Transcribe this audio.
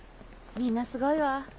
みんなすごいわ。